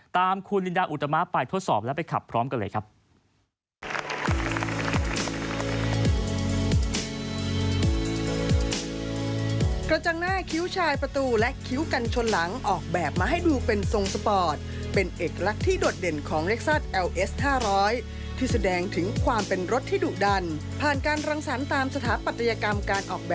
ตามคุณลินดาอุตมะไปทดสอบและไปขับพร้อมกันเลยครับ